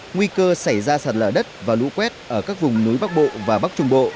nguy cơ xảy ra sạt lở đất và lũ quét ở các vùng núi bắc bộ và bắc trung bộ